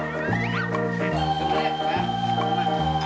โอ้โฮ